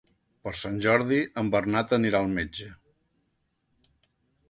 Per Sant Jordi en Bernat anirà al metge.